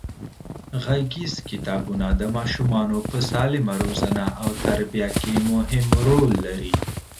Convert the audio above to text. غږیز کتابونه د ماشومانو په سالمه روزنه او تربیه کې مهم رول لري.